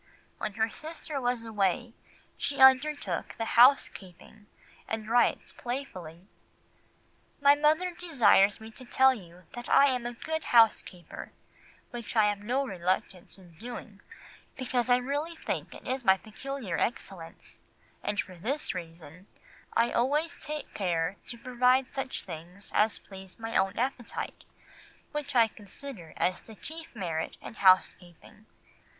When her sister was away, she undertook the housekeeping, and writes playfully— "My mother desires me to tell you that I am a good housekeeper, which I have no reluctance in doing, because I really think it my peculiar excellence, and for this reason—I always take care to provide such things as please my own appetite, which I consider as the chief merit in housekeeping.